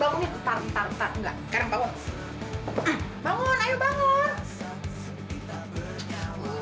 hai coming diapun